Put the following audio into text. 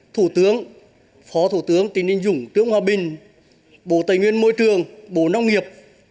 thủ tướng phó thủ tướng tỉnh ninh dũng tướng hòa bình bộ tây nguyên môi trường bộ nông nghiệp